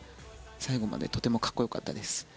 最後までとてもかっこよかったです。